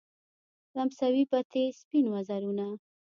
لمسوي بتې سپین وزرونه